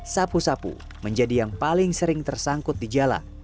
sapu sapu menjadi yang paling sering tersangkut di jalan